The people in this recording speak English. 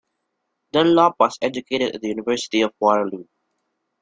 Dunlop was educated at the University of Waterloo.